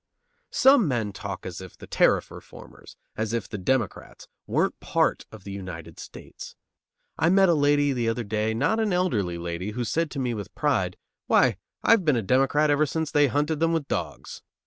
Some men talk as if the tariff reformers, as if the Democrats, weren't part of the United States. I met a lady the other day, not an elderly lady, who said to me with pride: "Why, I have been a Democrat ever since they hunted them with dogs."